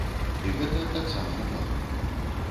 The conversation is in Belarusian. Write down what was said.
І гэта таксама няблага.